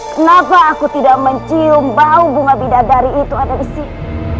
kenapa aku tidak mencium bau bunga bidadari itu ada di sini